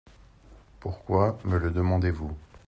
Pourquoi me le demandez-vous ?